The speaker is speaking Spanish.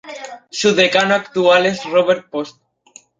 Su decano actual es Robert Post.